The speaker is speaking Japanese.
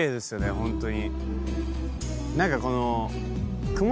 ホントに。